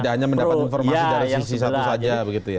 tidak hanya mendapatkan informasi dari sisi satu saja